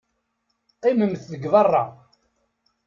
Qqimemt deg beṛṛa.